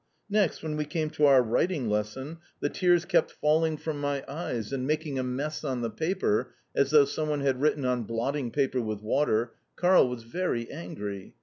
Next, when we came to our writing lesson, the tears kept falling from my eyes and, making a mess on the paper, as though some one had written on blotting paper with water, Karl was very angry.